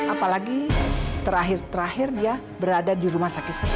apalagi terakhir terakhir dia berada di rumah sakit satu